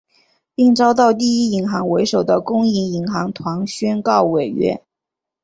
并遭到第一银行为首的公营银行团宣告违约。